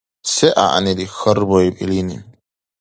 — Се гӀягӀнили? – хьарбаиб илини.